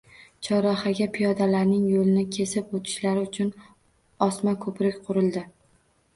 Chorrahaga piyodalarning yo‘lni kesib o‘tishlari uchun osma ko‘prik qurildi.